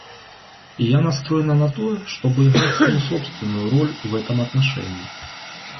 И я настроена на то, чтобы играть свою собственную роль в этом отношении.